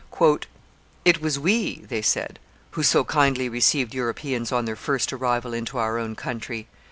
It was we [they said] who so kindly received Europeans on their first arrival into our own country.